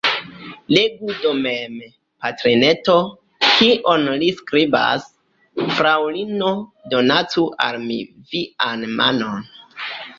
Legu do mem, patrineto, kion li skribas: « Fraŭlino, donacu al mi vian manon!